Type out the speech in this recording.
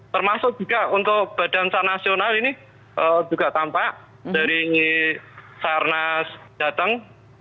termasuk juga untuk badan sarnasional ini juga tampak dari sarnas jateng